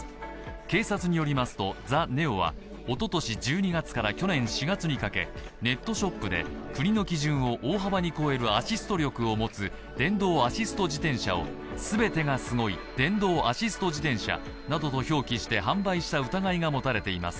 警察によりますと、ＴＨＥＮｅＯはおととし１２月から去年４月にかけネットショップで国の基準を大幅に超えるアシスト力を持つ電動アシスト自転車を、全てがすごい、電動アシスト自転車などと表記して販売した疑いが持たれています。